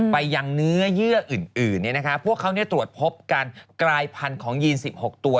ไปยังเนื้อเยื่ออื่นพวกเขาตรวจพบการกลายพันธุ์ของยีน๑๖ตัว